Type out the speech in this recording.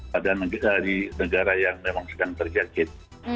pada negara yang memang sedang terjangkit